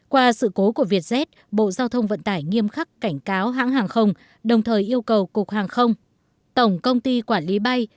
qua sự cố của vietjet bộ giao thông vận tải nghiêm khắc cảnh cáo hãng hàng không đồng thời yêu cầu cục hàng không tổng công ty quản lý bay